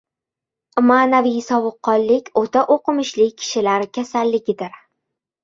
Ma’naviy sovuqqonlik o‘ta o‘qimishli kishilar kasalligidir.